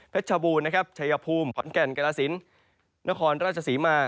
เพชบูรณ์ชัยภูมิขวัญแก่นกระลาศิลป์นครราชศรีมาร์